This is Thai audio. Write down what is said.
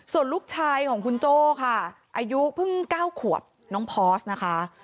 ส่วนลูกชายของคุณโจ้ค่ะอายุเพิ่ง๙ขวบน้องพอสนะคะ